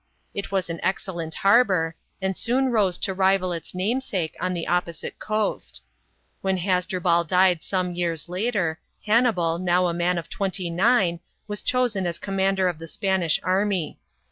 It was an excellent harbour, and soon rose to rival its namesake on the opposite coast. When Has drubal died some years later, Hannibal, now a man of twenty nine, was chosen as commander of the Spanish army.